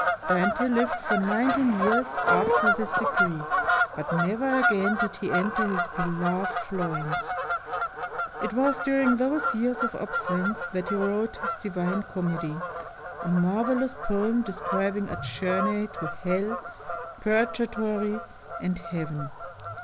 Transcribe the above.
Dante lived for nineteen years after this decree, but never again did he enter his beloved Florence. It was during those years of absence that he wrote his "Divine Comedy," a marvelous poem describing a journey to hell, purgatory, and heaven.